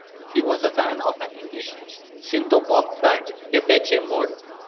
He was a fan of an English synthpop band Depeche Mode.